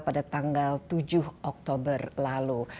pada tanggal tujuh oktober lalu